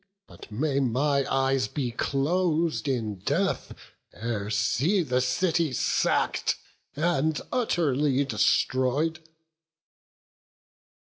But may my eyes be clos'd in death, ere see The city sack'd, and utterly destroy'd."